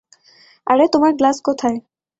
আরে তোমার গ্লাস কোথায়?